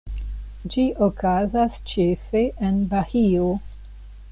Ĝi okazas ĉefe en Bahio.